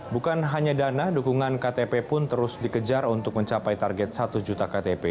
bukan hanya dana dukungan ktp pun terus dikejar untuk mencapai target satu juta ktp